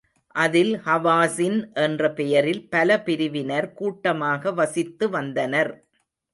அதில் ஹவாஸின் என்ற பெயரில் பல பிரிவினர் கூட்டமாக வசித்து வந்தனர்.